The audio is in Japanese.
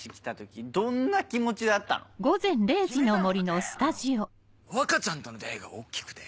決めたのはね若ちゃんとの出会いが大っきくて。